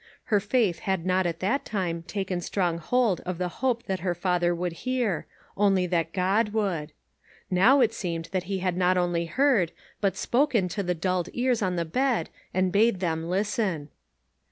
Her faith had not at that time taken strong hold of the hope that her father would hear, only that God would. Now it seemed that he had not only heard, but had spoken to the dulled ears on the bed and bade them listen.